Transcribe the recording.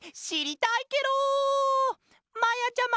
まやちゃま！